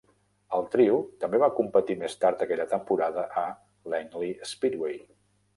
El trio també va competir més tard aquella temporada a Langley Speedway.